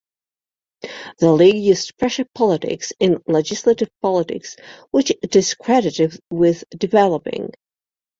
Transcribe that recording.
The League used pressure politics in legislative politics, which it is credited with developing.